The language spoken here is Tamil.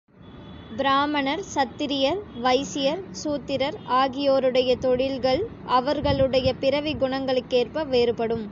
பிராமணர், சத்திரியர், வைசியர், சூத்திரர் ஆகியோருடைய தொழில்கள் அவர்களுடைய பிறவிக் குணங்களுக்கேற்ப வேறுபடும்.